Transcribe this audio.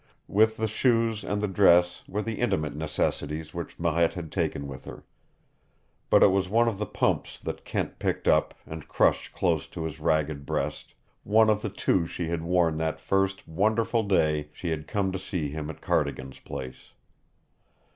With the shoes and the dress were the intimate necessities which Marette had taken with her. But it was one of the pumps that Kent picked up and crushed close to his ragged breast one of the two she had worn that first wonderful day she had come to see him at Cardigan's place.